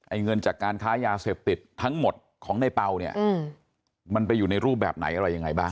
เงินจากการค้ายาเสพติดทั้งหมดของในเปล่าเนี่ยมันไปอยู่ในรูปแบบไหนอะไรยังไงบ้าง